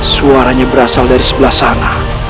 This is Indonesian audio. suaranya berasal dari sebelah sana